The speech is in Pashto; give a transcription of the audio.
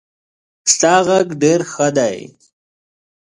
ستا غږ ډېر ښه دی.